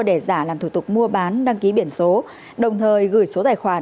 để giả làm thủ tục mua bán đăng ký biển số đồng thời gửi số tài khoản